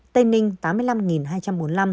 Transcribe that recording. tây ninh tám mươi năm hai trăm bốn mươi năm